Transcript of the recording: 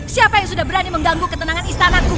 siapa yang sudah berani mengganggu ketenangan istana